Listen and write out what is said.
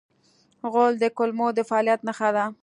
غول د کولمو د فعالیت نښه ده.